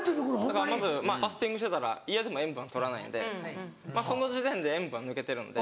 だからまずファスティングしてたら嫌でも塩分取らないのでその時点で塩分抜けてるんで。